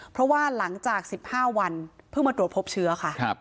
เพราะว่าหลังจาก๑๕วันเพิ่งมาตรวจพบเชื้อค่ะ